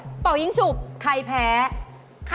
หรือว่าจะใช้ตัวช่วยหรือเปล่าถ้าจะใช้ก็ใช้ได้เลยแหละ